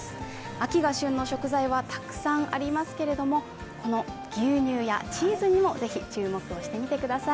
秋が旬の食材はたくさんありますけれども、この牛乳やチーズにもぜひ注目をしてみてください。